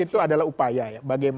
itu adalah upaya ya